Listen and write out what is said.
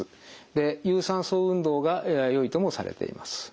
で有酸素運動がややよいともされています。